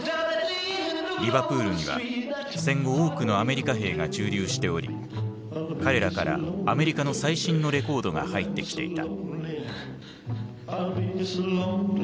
リバプールには戦後多くのアメリカ兵が駐留しており彼らからアメリカの最新のレコードが入ってきていた。